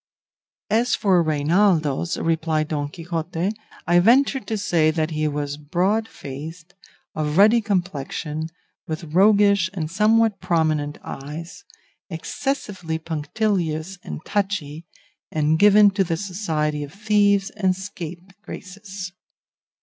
"As for Reinaldos," replied Don Quixote, "I venture to say that he was broad faced, of ruddy complexion, with roguish and somewhat prominent eyes, excessively punctilious and touchy, and given to the society of thieves and scapegraces.